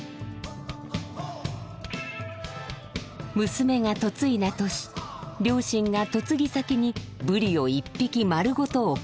娘が嫁いだ年両親が嫁ぎ先にブリを１匹丸ごと送ります。